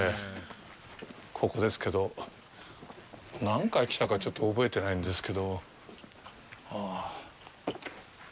ここですけど、何回来たか、ちょっと覚えてないんですけど。